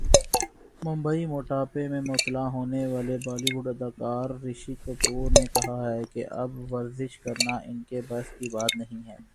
ممبئی موٹاپے میں مبتلا ہونے والے بالی ووڈ اداکار رشی کپور نے کہا ہے کہ اب ورزش کرنا انکے بس کی بات نہیں ہے